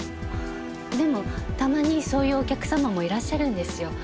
でもたまにそういうお客様もいらっしゃるんですよ。